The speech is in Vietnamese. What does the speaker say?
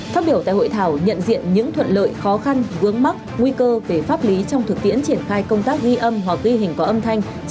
phát biểu tại hội thảo nhận diện những thuận lợi khó khăn vướng mắt nguy cơ về pháp lý trong thực tiễn triển khai công tác ghi âm hoặc ghi hình có âm thanh